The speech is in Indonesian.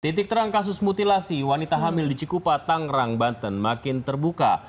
titik terang kasus mutilasi wanita hamil di cikupa tangerang banten makin terbuka